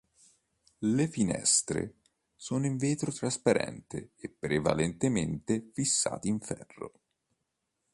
Le finestre sono in vetro trasparente e prevalentemente fissati in ferro.